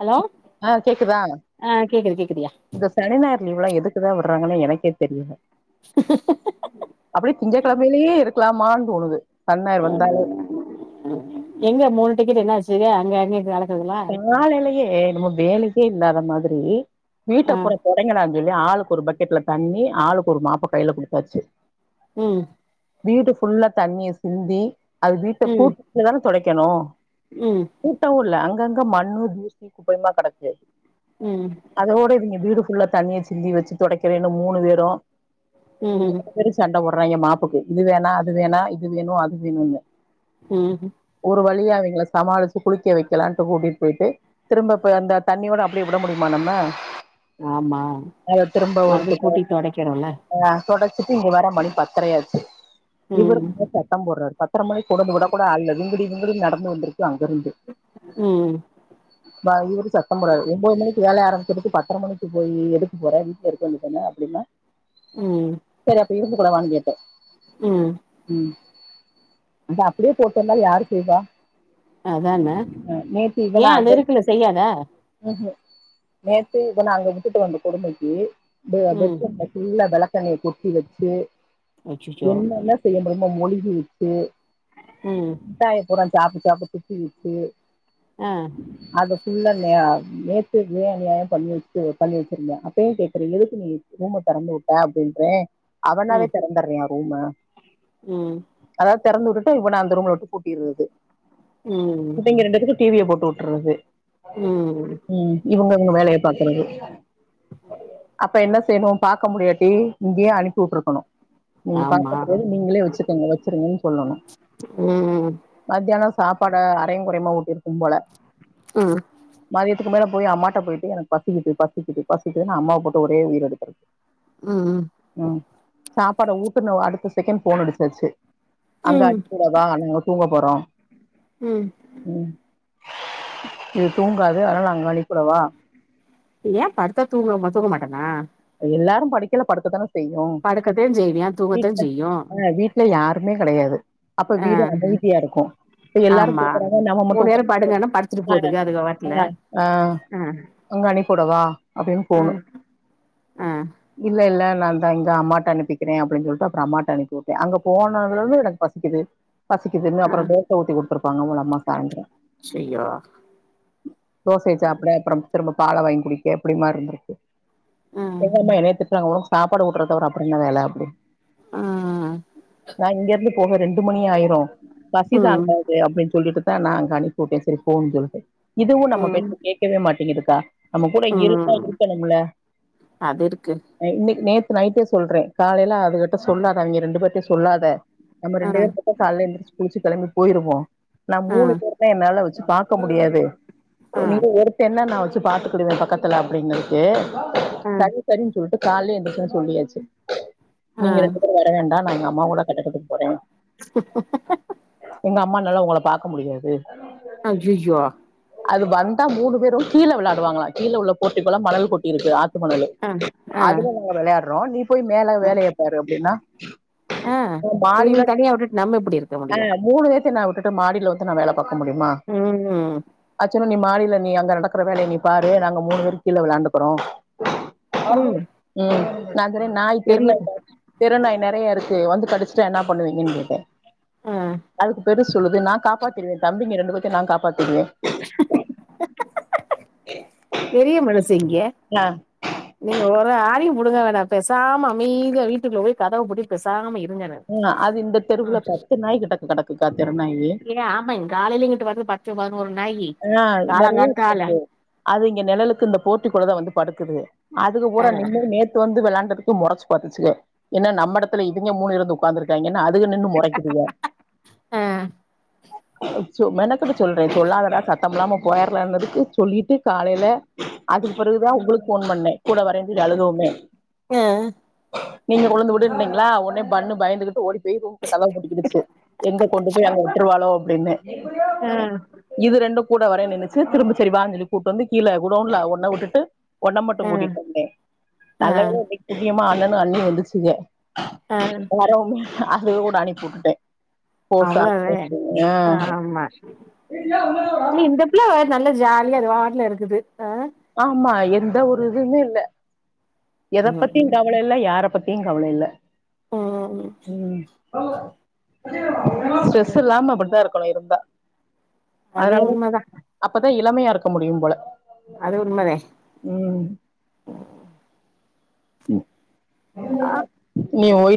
Hello ஆ கேக்குதா ஆ கேக்குது கேக்குதியா இந்த சனி ஞாயிறு லீவ்லா எதுக்குதா விடுறாங்கனு எனக்கே தெரியல அப்டியே தி்ங்ககிழமையிலேயே இருக்கலாமான்னு தோணுது சனி ஞாயிறு வந்தாலே எங்க மூணு டிக்கெட்டு என்னாச்சு அங்க அங்க கெடக்குதுங்களா காலைலயே என்னமோ வேலையே இல்லாத மாதிரி வீட்ட ஆ புடை தொடங்கடான்னு சொல்லி ஆளுக்கு ஒரு பக்கெட்ல தண்ணி ஆளுக்கு ஒரு மாப்ப கையில கொடுத்தாச்சு ம் வீட்டு ஃபுல்லா தண்ணிய சிந்தி அது வீட்ட ம் கூட்டிட்டு தான தொடைக்கணு ம் கூட்டவு இல்ல அங்கங்க மண்ணு தூசி குப்பையுமா கடக்கு ம் அதோட இவிங்க வீடு ஃபுல்லா தண்ணிய சிந்தி வச்சு தொடைக்கிறேன்னு மூணு பேரு ம் பேரு சண்ட போடுறாய்ங்க மாப்புக்கு இது வேணா அது வேணா இது வேணும் அது வேணுன்னு ம் ஒரு வழியா அவைங்கள சமாளிச்சு குளிக்க வைக்கலான் கூட்டிட்டு போயிட்டு திரும்ப இப்ப அந்த தண்ணியோட அப்டியே விட முடியுமா நம்ம ஆமா மறுபுடி கூட்டி தொடக்கிறோல ஆ தொடச்சிட்டு இங்க வர மணி பத்தரையாச்சு இவரு ம் சத்தம் போடுறாறு பத்திர மணி கொடாந்து விட கூட ஆள் இல்ல விங்கடி விங்கடி நடந்து வந்திருக்கு அங்கிருந்து ம் இப்பவந் சத்தம் போடுறாரு ஒம்பது மணிக்கு வேலை ஆரம்பிச்சதுட்டு பத்ர மணிக்கு எதுக் போற வீட்லே இருக்க வேண்டிதனா அப்டின்னா [inaudible] ம் செரி அப்ப இருந்து கிடவானு கேட்டே ம் ம் அது அப்டியே போட்டு வந்தாலு யாரு செய்வா அதான நேத்து ஏ இவன அது அங்க இருக்குல்ல செய்யாதா ம்ஹும் நேத்து இத‌ நா அங்க விட்டுட்டு வந்த கொடுமைக்கு எ ம் பெட்ரூம்ல ஃபுல்லா விளக்கெண்ணைய கொட்டி வச்சு அச்சச்சோ என்னன்ன செய்ய முடியுமோ மொழிகி விட்டு ம் மிட்டாய பூற சாப்ட்டு சாப்ட்டு துப்பி வச்சு அ அத ஃபுல்லா நே நேத்துக்கே அநியாயோ பண்ணிவச்சு பண்ணி வச்சிருந்த அப்பயு கேக்குற எதுக்கு நீ ரூம்ம திறந்து உட்டே அப்டின்றே அவனாவே ம் தெறந்தடுறய்யா ரூம்ம ம் அதாவது திறந்து விட்டுட்டு இவன அந்த ரூம்ல விட்டு பூட்டியிருது ம் இதுங்க ரெண்டுத்துக்கு டி விய போட்டு விட்டுறது ம் இவுங்க இங்க வேலைய பாக்கறது அப்ப என்ன செய்யணு பாக்க முடியாட்டி இங்கயே அனுப்பி உட்டுருக்கணு எங்க ஆமா பார்க்கத் தெரியாது நீங்களே வச்சிக்கோங்க வச்சிருங்கன்னு சொல்லணு ம் மதியானோ சாப்பாட அரையு குறையுமா ஊட்டிருக்கும் போல ம் ம் மதியத்துக்கு மேல போய் அம்மாட்ட போயிட்டு எனக்கு பசிக்கிது பசிக்கிது பசிக்கிதுனு அம்மாவ போட்டு ஒரே உயிர் எடுக்கருது ம் ம் ம் சாப்பாட ஊட்டுன்ன அடுத்த செகண்ட் போன் அடிச்சாச்சு அங்க ம் அனுப்பிவிடவா நாங்க தூங்க போறோம் ம் ம் இது தூங்காது அதனால அங்க அனுப்பிவிடவா ஏன் படுத்தா தூங்கமா தூங்க மாட்டனா எல்லாரு படிக்கல படுக்கதானே செய்யு படுக்கத்தான் செய்வியா தூங்கத்தான் வீட்ட செய்யு அ வீட்‌ ல யாருமே கெடயாது அப்ப ஆ வீடு அமைதியா இருக்கு. இப்ப எல்லாரு ஆமா கேக்குறாங்க நம்ம மூணு நேரோ மட்டு படுங்கன்னா படுத்துட்டு [inaudible] போதுங்க அதுக பாட்ல அ அன் ஆ அங்க அனிப்புடவா அப்டின் போணு அ ன் இல்ல இல்ல நா தா இங்க அம்மாட்ட அனுப்பிக்கிறே அப்டின் சொல்ட்டு அப்புற அம்மாட்ட அனுப்பிவுட்டே அங்க போனதுலருந்து எனக் பசிக்குது பசிக்குதுன்னு ஆ அப்புற தோச ஊத்தி குடுத்ருப்பாங்க போல அம்மா சாய்ந்ரோ செய்யோ தோசைய சாப்புட அப்புற திரும்ப பால வாங்கி குடிக்க எப்டி மாரி இருந்துருக்கு ஆ எங்க அம்மா என்னைத்திட்றாங்க ஒனக்கு சாப்பாடு ஊட்றதவுட அப்ர என்ன வேல அப்டி ஆ நா இங்க இருந்து போக ரெண்டு மணி ஆயிரும். ம் பசிதாங்காது அப்டின் சொல்லிட்டு தா நா அங்க அனுப்பிவுட்டே சேரி போன் சொல்ட்டு. இதுவு நம்ம ம் பேச்ச கேட்கவே மாட்டீங்குதுக்கா நம்ம கூட இருன்னா ம் இருக்கனும்ள. அது இருக்கு இன்னைக் நேத்து நைட்டே சொல்றே காலையில அதுககிட்ட சொல்லாதா அவிங்க ரெண்டு பேர்ட்ட சொல்லாத நம்ம ஆ ரெண்டு பேர் மட்டு காலைல எழுந்ருச்சு குளிச்ச கெளம்பி போயிருவோ நா ஆ மூணு பேர்மே என்னால வச்சு பா க்க முடியாது ஆ நீங்க ஒருத்தேனா நா வச்சு பாத்துக்குடுவே பக்கத்துல அப்டின்னுச்சு ஆ சரி சரின்னு சொல்லிட்டு காலைலயே எந்திரிச்சதும் சொல்லியாச்சு ஆ நீங்க ரெண்டு பேரும் வர வேண்டாம் நாங்க அம்மா கூட கட்டடடுத்துக்கு போறேன் உங்க அம்மானால உங்கள பார்க்க முடியாது அய்யயோ அது வந்தா மூணு பேரும் கீழ விளையாடுவாங்களா கீழே உள்ள போர்ட்டிக்கோள மணல் கொட்டி இருக்கு ஆத்துமணலு ஆ ஆ அதுல நாங்க வெளையாடுறோம் நீ போய் மேல வேலைய பாரு அப்டின்னா ஆ இவிங்கள மாடியில தனியா விட்டுட்டு நம்ம எப்டி இருக்க ஆ முடியு மூணு பேத்த நான் வுட்டுட்டு மாடியில வந்து நான் வேல பாக்க முடியுமா ம் ஏன்ன நீ மாடில நீ அங்க நடக்கற வேலய நீ பாரு நாங்க மூணு பேரு கீழ வெளாண்டுக்குறோம் ம் ம் நகரு நாய் தெரு பெரிய நாய் தெருநாய் நெறைய இருக்கு வந்து கடிச்சிட்டா என்ன பண்ணுவீங்கன் கேட்டே ஆ அதுக்கு பெருசு சொல்லுது நா காப்பாத்திருவே தம்பிங்க ரெண்டு பேத்தயு நா காப்பாத்திடுவே. பெரிய மனசெங்க யா நீங்க ஒரு ஆணியு புடுங்க வேணா பேசாம அமைதியா வீட்டுக்குள்ள போய் கதவ பூட்டிட்டு பேசாம இருங்கனே ம் அது இந்த தெருவுல பத்து நாய் கிட்ட கெடக்குக்கா தெருநாயி ஏ ஆமாங் காலையிலங்கிட்டு வந்து பத்து பதினொரு நாயி அ நெறைய காலங்காத்தால இருக்குது அது இங்க நெழலுக்கு இந்த போர்டிக்கோல தா வந்து படுக்குது அதுக்கு அ பூரா நின்னு நே வந்து வெளாண்டுகிட்டு மொறச்சு பாத்துச்சுங்க என்ன நம்ம எடத்ல இவேங்க மூணு பேரு ஒக்காந்து இருக்காங்கேனு அது வந்து நின்னு மொறைக்குதுங்க அ சோ மெனக்கட்டு சொல்றே சொல்லாதடா சத்தம் இல்லாம போயிராலானுதுக்கு சொல்லிட்டு காலையில அதுக்கு பிறகுதா உங்குளுக்கு போன் பண்ணே கூட வரேனு சொல்லி அழுததுமே. அ நீங்க கொண் வந்து உட்டுனுனிங்லா ஒனே பண்ணு பயந்துகிட்டு ஓடி போய் ரூம்க்கு கதவ பூட்டிகினுச்சு. எங்க கொண்டு போய் அங்க விட்ருவாளோ அப்டின்னு இது ரெண்டு கூட வரேன் நின்னுச்சு திரும்ப சரி வானு சொல்லி கூட்டு வந்து கீழே குடவுன்ல ஒன்ன வுட்டுட்டு ஒன்ன மட்டு அ கூட்டிட்டு வந்தே அ நல்லவேல இன்னிக்கு புண்ணியமா அண்ணனு அண்ணியு வந்துச்சுங்க ஆன் வரவ்ங்களுக்கு அதோட அனுப்பிவுட்டுட்டே அவ்ளோதே ஆமா அ ப்ல நல்ல ஜாலியா அது வாட்டுல இருக்குது அ ஆமா எந்த ஒரு இதுமே இல்ல எத பத்தியுங் ம் கவல இல்ல யார பத்தியுங் கவல இல்ல ம் ம் ம் ம் ஸ்ட்ரெஸ் இல்லாம அப்டித்தா இருக்கணு இருந்தா அது அதனாலதா உண்மதா அப்பதா இளமையா இருக்க முடியும் போல அது உண்மதே ம் ம் ஆ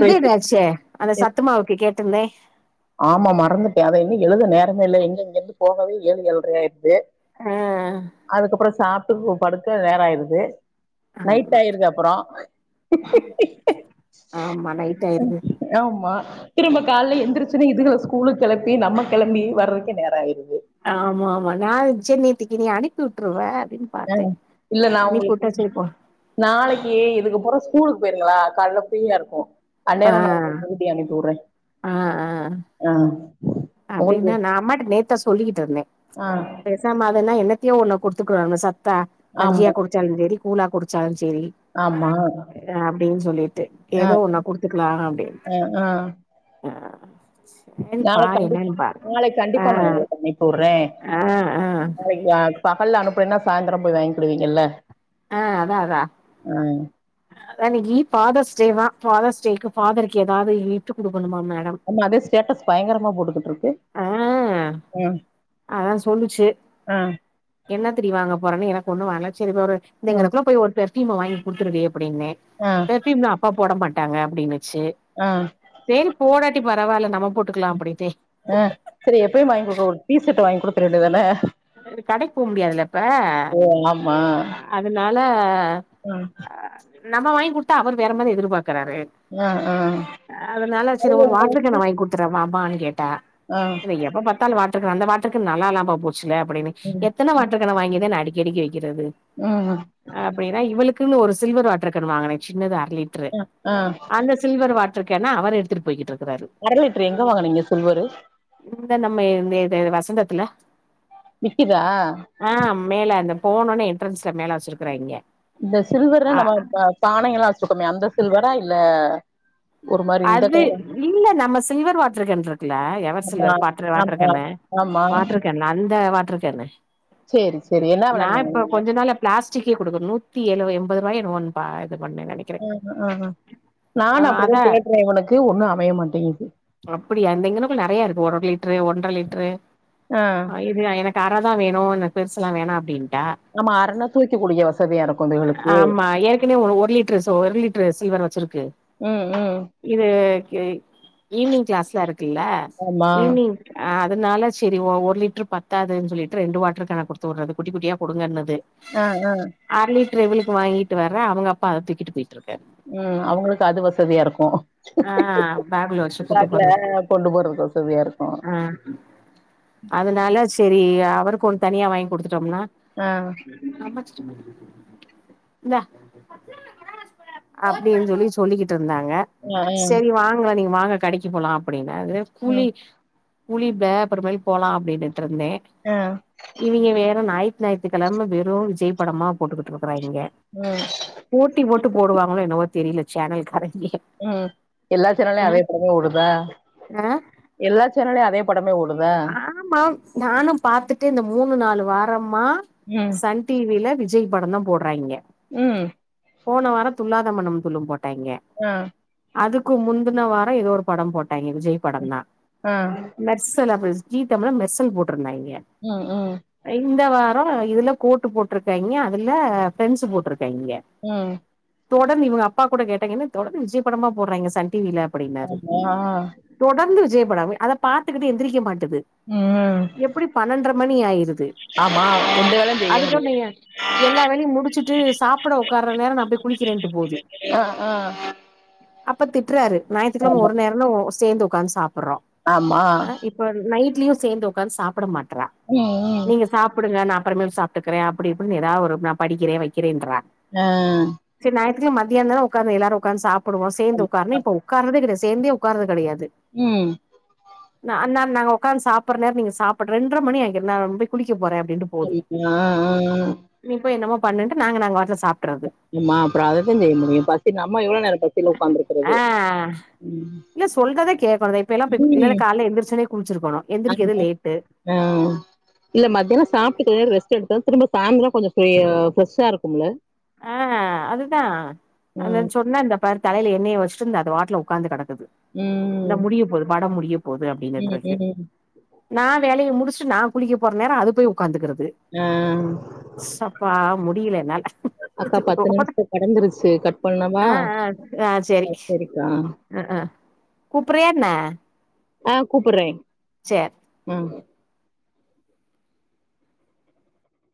இது ரைஸ் என்னாச்சு அந்த சத்துமாவுக்கு கேட்டிருந்தே ஆமா மறந்துட்டே அத இன்னு எழுத நேரமே இல்ல எங்க இங்க இருந்து போகவே ஏழு ஏழ்ரை ஆயிருது ஆ அ அதுக்கப்பறோ சாப்ட்டுக்கு படுக்க நேர ஆயிருது நைட் ஆமா ஆயிருது அப்பறோ ஆமா நைட் ஆயிருது ஆமா திரும்ப கால்ல எந்திரி ச்சுனு இதுகள ஸ்கூலுக்கு கெளப்பி நம்ம கெளம்பி வர்றதுக்க நேரொ ஆயிருது ஆமா ஆமா நா சரி நேத்திக்கு நீ அனுப்பி வுட்டுருவ அப்டின்னு ஆ பாத்தே இல்ல நா அனுப்பி உங்களுக்கு விட்டா சரி போ நாளைக்கு இதுக பூரா ஸ்கூலுக்கு போயிருங்களா கால்ல ஃப்ரீயா இருக்கு ஆ அந்நேரோ நா உங்ளுக் எழுதி அனுப்பி வுடுறே ஆ உங்களுக்கு அப்டினா நா அம்மாட்ட நேத்தா சொல்லிகிட்ருந்தே ஆ பேசு சாம அதென்னா என்னத்தையோ ஒன்னு குடுத்துக்கலாம்ல சத்தா கஞ்சியா ஆமா குடிச்சாலு சரி கூழா குடிச்சாலு சரி ஆமா அப்டின் சொல்லிட்டு ஆ ஏதோ ஒன்ன குடுத்துக்கலா அப்டின்னு ஆ ஆ ஆ சேரி பாரு என்னன்னு பாரு [inaudible] நாளைக் ஆ கண்டிப்பா [inaudible] டுறேன் ஆ ஆ பகல்ல அனுப்புறீன்னா சாய்ந்தரம் போய் வாங்கிடுவீங்கல்ல அ அதா அதா அதானிக்கி ஃபாதர்ஸ் டே வா ஃபாதர்ஸ்ட் டேக்கு ஃபாதருக்கு ஏதாவ்து கிஃப்ட்டு குடுக்கனுமா மேடம் உங்க அதே ஸ்டேட்டஸ் பயங்கரமா போட்டுக்குட்டுருக்கு ஆ ம் அதா சொல்லுச்சு ஆ என்னத்தடி வாங்க போறேன்னு எனக்கு ஒன்னு வேணா சரி ஒரு இந்த ம் இங்கனுக்குள்ள போய் ஒரு பெர்ப்யூம வாங்கி குடுத்துருடி அப்டின்னே ஆ ப்யூம்லா அப்பா போட மாட்டாங்க அப்டின்னுச்சு ஆ சேரி போடாட்டி பரவால்ல நம்ம போட்டுக்கலா அப்டின்ட்டே ஆ சரி எப்பயும் வாங்கி குடுக்குற ஒரு டீ ஷர்ட்ட வாங்கி குடுத்துர வேண்டிய தானே கடைக்கு போக முடியாதுல்ல இப்ப ஓ ஆமா அதனால ஆ அ நம்ம வாங்கி குடுத்தா அவர் வேற மாரி எதிர்பாக்குறாரு ஆ ஆ அதனால சரி அதுல ஒரு என்ன வாட்ரு இருக்கு? கேன வாங்கி குடுத்துறவாமான்னு கேட்டா ஆ இல்ல எப்ப பாத்தாலு வாட்டர் கேன் அந்த வாட்டர் கேன் நல்லா இல்லாம போச்சல அப்படின்னு ம் எத்தன வாட்டர் கேன வாங்கிதே நா அடிக்கி கடிக்கி வைக்கிறது ம் ம் அப்டின்னா இவளுக்குக்குன்னு ஒரு சில்வர் வாட்டர் கேனு வாங்குனே சின்னதா அர லிட்ரு அ ஆ அந்த சில்வர் வாட் ட்ரு கேன அவர் எடுத்துட்டு போயிகிட்டுருக்ராரு அர லிட்ரு எங்க வாங்குனீங்க சில்வரு இந்த நம்ம எ எது வசந்தத்துல விக்குதா ஆ மேல இந்த போன உடனே என்ட்ரன்ஸ்ல மேல வச்சிருக்கிறாங்க இந்த சில்வர்னா நம்ம பான எல்லா வச்சுருக்கோமே அந்த சில்வரா இல்ல ஒரு மாரி இந்த அது இல்ல நம்ம சில்வர் வாட்டரு கேன் இருக்குல்ல எவர் கலர்ல சில்வர் பாத்ர வாட்டரு ஆமா கேனு ஆமா வாட்ரு கேன்ல அந்த வாட்ரு கேனு செரி செரி என்ன நா வெளாடிங்க இப்ப நீங்க கொஞ்ச நாளா பிளாஸ்டிக்கே கொடுக்கனு நூத்தி ஏழு எண்பது ரூவாயோ என்னமோ ஒன்னு பாத்து பண்ணிடு ம் ஆஆ நானு அப்டுதா அதா தேட்றே ஒனக்கு ஒன்னு அமைய மாட்டேங்கிது அப்டியா இந்த இங்குனகுள்ள நெறையா இருக்கு ஒரு லிட்ரு ஒன்றரை லிட்ரு ஆ ஐய்ரியா எனக்கு அரதா வேணு அந்த பெருசலா வேணா அப்டின்டா ஆமா அரனா தூக்கி குடிக்க வசதியா இருக்கு இதுகளுக்கு ஆமா ஏற்கனவே ஒ ஒரு லிட்ரு சோ ஒரு லிட்ரு சில்வர் வச்சிருக்கு ம் ம் இது கேய் ஈவினிங் கிளாஸ்ல இருக்ல ஆமா ஈவினிங் ஆ அதனால செரி ஓ ஒரு லிட்ரு பத்தாதுனு சொல்லிட்டு ரெண்டு வாட்ரு கேன குடுத்து வுடுறது குட்டி குட்டியா குடுங்கனது ஆ ஆ அர லிட்ரு இவளுக்கு வாங்கிட்டு வர்ரே அவங்க அப்பா அத தூக்கிட்டு போய்டு இருக்காரு ம் அவங்களுக்கு அது வசதியா இருக்கு ஆ பேக்ல வச்சு கூட்டு பேக்ல போறது கொண்டு போறதுக்கு வசதியா இருக்கு ஆ [inaudible] அதனால சேரி அவருக்கு ஒண்ணு தனியா வாங்கி குடுத்துட்டோம்னா ஆ அமச்சுடு இந்தா அப்டின் சொல்லி சொல்லிக்கிட்டு இருந்தாங்க ஆ ஆ சேரி வாங்கலே நீங்க வாங்க கடைக்கி போலாம் அப்டின்னாரு குளி ம் குளிபே அப்புறமேல் போலா அப்டின்னுட்டு இருந்தே ஆ இவிங்க வேற ஞாயிற்றுஞாயிற்று க்கிழம வெறு விஜய் படமா போட்டுக்கிட்டு இருக்கறாங்கே ம் போட்டி போட்டு போடுவாங்களோ என்னமோ தெரியல சேனல் காரேங்க ம் எல்லா சேனல்லயு அதே படமே ஓடுதா ஆ எல்லாச் சேனல்லயு அதே படமே ஓடுதா ஆமா நானு பாத்துட்டு இந்த மூணு நாலு வாரமா ம் சன் டிவில விஜய் படந் தா போர்ராங்கே ம் போன வாரோ துள்ளாத மனம் துள்ளும் போட்டாங்கே ஆ அதுக்கு முந்துன வாரோ ஏதோ ஒரு படோ போட்டாங்கே விஜய் படந் தா ஆ மெர்சல் அப்பற ஜீ தழிழ்ல மெர்சல் போட்ருந்தாங்கே ம் ம் இந்த வார இதுல கோட்டு போட்ருக்காங்கே அதுல ப்ரண்ட்ஸு போட்ருக்காங்கே ம் தொடந்து இவங்க அப்பா கூட கேட்டாங்க என்னது தொடந்து விஜய் படமா போட்றாங்கே சன் டி வி ல அப்டின்னாரு ஆமா ஆ. தொடந்து விஜ படமே அத பாத்துக்கிட்டு எந்திரிக்க மாட்டுது ம் எப்டி பன்னெண்ரை மணி ஆயிருது ஆமா எந்த வேலையு செய்ய முடியாது அதுக்குள்ளயு எல்லா வேலயு முடிச்சுட்டு சாப்ட உக்கார்ற நேரோ நா போய் குளிக்கிறேன்டு போது ஆ ஆ அப்ப திட்றாரு ஞாயித்துக்கெழம ஆமா ஒரு நேரோ தா ஓ சேந்து உக்காந்து சாப்றோ ஆமா இப்ப நைட்லயு சேந்து உக்காந்து சாப்ட மாட்ற ம் ம் நீங்க சாப்டுங்க நா அப்பறமேல் சாப்டுக்கிறே அப்டி இப்டினு ஏதாவொரு நா படிக்கிறே வக்கிறேன்றா ஆ செரி ஞாய்த்துக்கு மத்யானோ தானே உக்காந்து எல்லாரு உக்காந்து சாப்டுவோ சேந்து ம் உக்காருனு இப்ப உட்கரதே கெடையது சேந்தே உட்கரது கெடையாது ம் நா நா நாங்க உக்காந்து சாப்ட்ர நேரோ நீங்க சாப்பட்ர ரெண்ட்ர மணி ஆயிங்ர நா பேய் குளிக்க போற அப்டின்டு செரி இப் அ அ அ நீ போய் என்னமா பண்ணுட்டு நாங்க நாங்கவாட்ல சாப் ம்மா அப்றோ அதத்தா செய்ய முடியு பசி நம்ம எவ்ளோ நேரோ பசில உக்காந்துர்க்றது ஆ இல்ல சொல்றத கேக்கனு தோ இப்ப எல்லா எல்ல ம். காலைல எந்திர்சோனே குளிசிர்க்கனு எந்திரிக்கது லேட்டு ம் இல்ல மதியானோ சாப்டுட்டு ரெஸ்ட் எடுத்தா திரும்ப சாந்த்ரோ கொஞ்சோ ஃப்ரே ஃப்ரெஷ்ஷா இருக்கும்ல ஆ அதுதா அத ம் சொன்ன இந்த பாரு தலயில எண்ணெய வச்ட்டு இந்த பாட்லு உக்காந்து கடக்குது ம் இந்தா முடிய போது படோ முடிய போது ம் அப்டினுட்ருக்கு ம் நா வேலய முடிச்ட்டு நா குளிக்க போற நேரோ அது போய் உக்காந்துகுரது ஆ சப்பா முடிய்ல என்னால அக்கா பத்து நிமிஷத்த கடந்துருச்சு கட் பண்ணவா ஆ செரி செரிக்கா அ ஆ கூப்றியா என்ன ஆ கூப்டுறே சேர் ம்